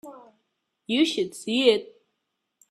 You should see it.